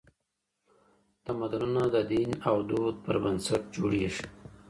تمدنونه د دین او دود پر بنسټ جوړېږي.